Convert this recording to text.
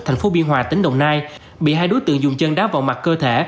thành phố biên hòa tỉnh đồng nai bị hai đối tượng dùng chân đá vào mặt cơ thể